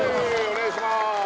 お願いいたします